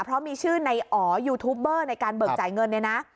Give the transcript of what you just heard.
เพราะมีชื่อนายอ๋อยูทูปเบอร์ในการเบิกจ่ายเงิน